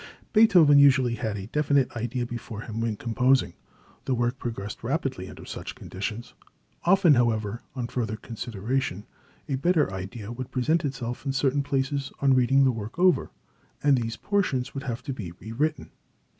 Beethoven usually had a definite idea before him when composing. The work progressed rapidly under such conditions. Often, however, on further consideration, a better idea would present itself in certain places on reading the work over, and these portions would have to be rewritten.